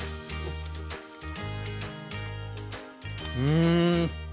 うん！